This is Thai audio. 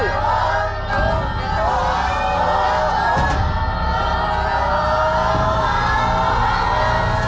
ถูก